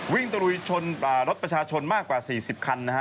ตะลุยชนรถประชาชนมากกว่า๔๐คันนะฮะ